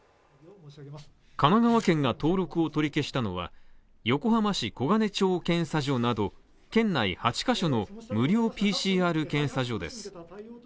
神奈川県が登録を取り消したのは横浜市黄金町検査所など県内８カ所の無料ＰＣＲ検査所です。